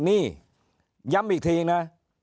นี่ย้ำอีกทีนะ